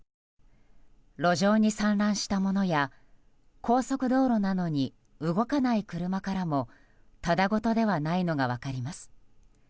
路上に散乱したものや高速道路なのに動かない車からもただごとではないのが分かります。